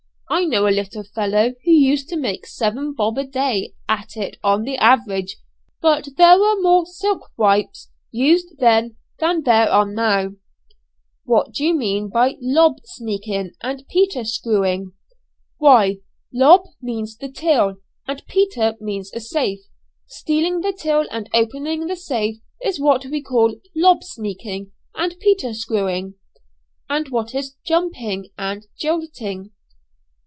I know a little fellow who used to make seven 'bob' a day at it on the average; but there were more silk 'wipes' used then than there are now." Boys. "What do you mean by 'lob sneaking,' and 'Peter screwing?" "Why, 'lob' means the till, and 'Peter' means a safe. Stealing the till and opening the safe is what we call 'lob sneaking and Peter screwing.'" "And what is 'jumping' and 'jilting?'"